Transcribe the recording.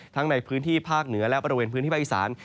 ในพื้นที่ภาคเหนือและบริเวณพื้นที่ภาคอีสาน